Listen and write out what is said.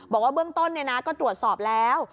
บอกว่าเบื้องต้นก็ตรวจสอบแล้ว